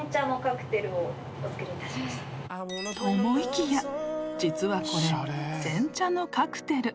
［と思いきや実はこれ煎茶のカクテル］